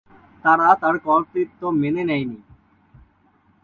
তারা তার কর্তৃত্ব মেনে নেয়নি।